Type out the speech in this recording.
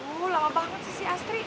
oh lama banget sih si astri